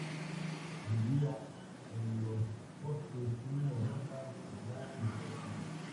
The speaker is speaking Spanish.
Vivía en los bosques de Europa, Canadá y Estados Unidos.